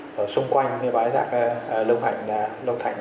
đến hưng yên đúng không